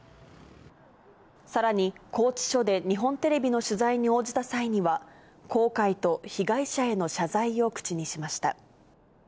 さらに拘置所で日本テレビの取材に応じた際には、後悔と被害者への謝罪を口にしました。